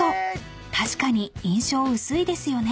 ［確かに印象薄いですよね］